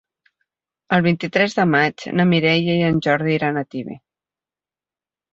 El vint-i-tres de maig na Mireia i en Jordi iran a Tibi.